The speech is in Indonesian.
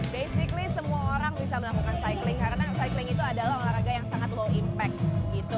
basically semua orang bisa melakukan cycling karena cycling itu adalah olahraga yang sangat low impact gitu